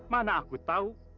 mana aku tahu